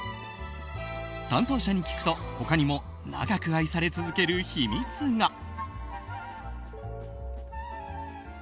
担当者に聞くと他にも長く愛され続ける秘密が。